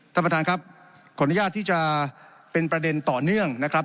ท่านประธานครับขออนุญาตที่จะเป็นประเด็นต่อเนื่องนะครับ